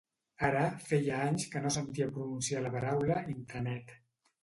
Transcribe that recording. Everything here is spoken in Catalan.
Ara feia anys que no sentia pronunciar la paraula Intranet.